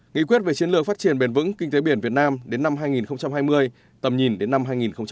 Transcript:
nghị quyết về chiến lược phát triển bền vững kinh tế biển việt nam đến năm hai nghìn hai mươi tầm nhìn đến năm hai nghìn ba mươi